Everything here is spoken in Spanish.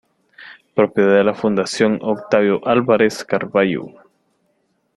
Propiedad de la Fundación Octavio Álvarez Carballo.